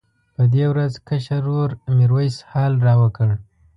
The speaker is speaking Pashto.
په دې ورځ کشر ورور میرویس حال راوکړ.